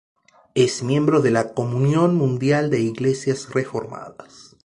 Es miembro de la Comunión Mundial de Iglesias Reformadas.